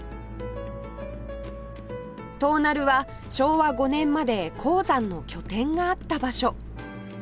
東平は昭和５年まで鉱山の拠点があった場所